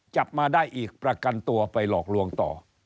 จับมาได้อีกประกันตัวไปหลอกลวงต่อ